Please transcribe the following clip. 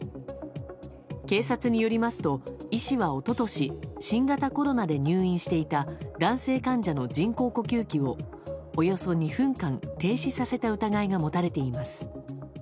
警察によりますと、医師は一昨年新型コロナで入院していた男性患者の人工呼吸器をおよそ２分間停止させた疑いが持たれています。